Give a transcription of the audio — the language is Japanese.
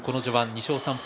２勝３敗